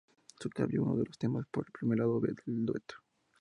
Se cambió uno de los temas por el primer lado B del dueto.